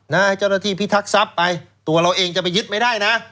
ให้เจ้าหน้าที่พิทักษัพไปตัวเราเองจะไปยึดไม่ได้นะ